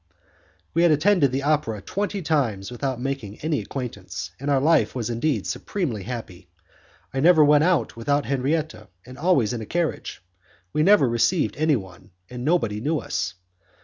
We had attended the opera twenty times without making any acquaintance, and our life was indeed supremely happy. I never went out without Henriette, and always in a carriage; we never received anyone, and nobody knew us.